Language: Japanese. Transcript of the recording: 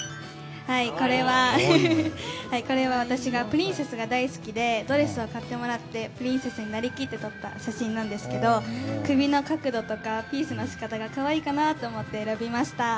これは私がプリンセスが大好きでドレスを買ってもらってプリンセスになりきって撮った写真ですが首の角度とかピースが可愛いかなと思って選びました。